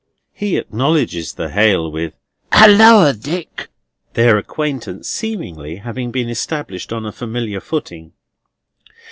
He acknowledges the hail with: "Halloa, Dick!" Their acquaintance seemingly having been established on a familiar footing.